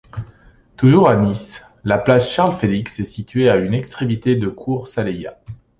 Toujours à Nice, la place Charles-Félix est située à une extrémité de cours Saleya.